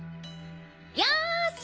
よし！